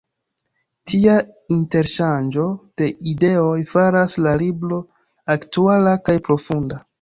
Tia interŝanĝo de ideoj faras la libro aktuala kaj profunda.